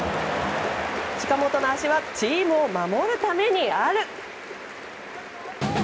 近本の脚はチームを守るためにある！